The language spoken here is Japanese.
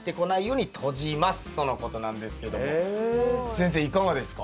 先生いかがですか？